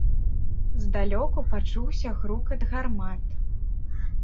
Здалёку пачуўся грукат гармат.